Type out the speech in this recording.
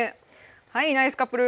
はいナイスカップル！